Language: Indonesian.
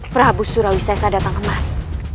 prabu surawi sesa datang kemari